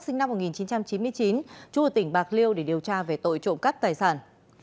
sinh năm một nghìn chín trăm chín mươi chín trú ở tỉnh bạc liêu để điều tra về tội trộm cắt tài sản